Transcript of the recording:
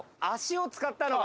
足を使った！